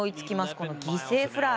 この犠牲フライ。